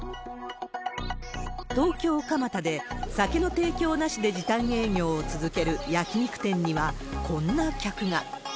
東京・蒲田で、酒の提供なしで時短営業を続ける焼き肉店には、こんな客が。